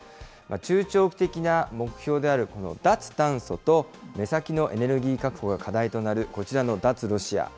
中長期的な目標であるこの脱炭素と、目先のエネルギー確保が課題となる、こちらの脱ロシア。